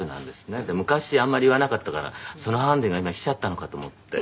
昔あんまり言わなかったからそのハンデが今来ちゃったのかと思って。